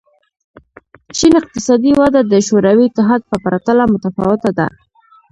چین اقتصادي وده د شوروي اتحاد په پرتله متفاوته ده.